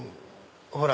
ほら！